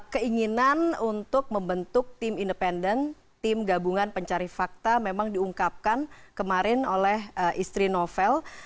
keinginan untuk membentuk tim independen tim gabungan pencari fakta memang diungkapkan kemarin oleh istri novel